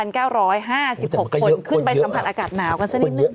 คนขึ้นไปสัมผัสอากาศหนาวกันสักนิดนึง